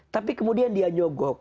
tapi kemudian dia nyogok